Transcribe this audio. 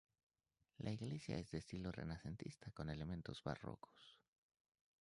La iglesia es de estilo renacentista con elementos barrocos.